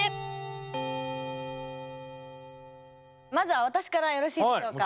まずは私からよろしいでしょうか？